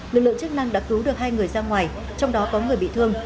lực lượng chức năng đã cứu được hai người ra ngoài trong đó có người bị thương